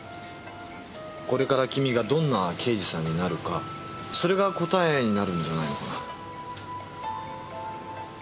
これから君がどんな刑事さんになるかそれが答えになるんじゃないのかな。